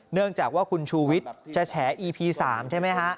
เนื่องจากว่าคุณชูวิทย์จะแฉอีพี๓ใช่ไหมฮะ